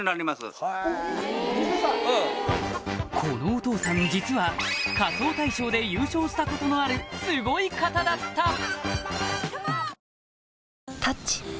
このお父さん実はしたことのあるすごい方だった！